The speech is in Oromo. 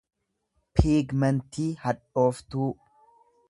piigmentii hadhooftuu